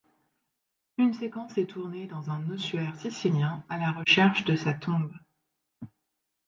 Une séquence est tournée dans un ossuaire sicilien à la recherche de sa tombe.